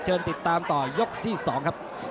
ติดตามต่อยกที่๒ครับ